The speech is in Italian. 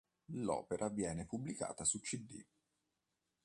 L'opera viene pubblicata su cd.